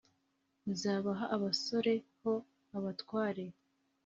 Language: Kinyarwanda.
Nzabaha abasore ho abatware,